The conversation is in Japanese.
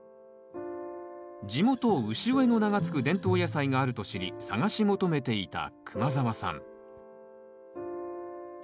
地元潮江の名が付く伝統野菜があると知り探し求めていた熊澤さん